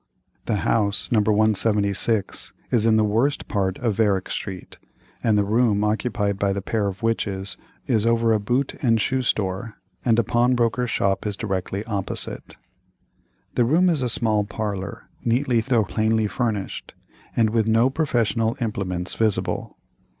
The house, No. 176, is in the worst part of Varick Street, and the room occupied by the pair of witches is over a boot and shoe store, and a pawnbroker's shop is directly opposite. The room is a small parlor, neatly though plainly furnished, and with no professional implements visible.